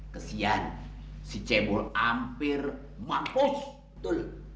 kesian si cebol hampir mampus